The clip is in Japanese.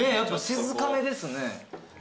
静かめですね。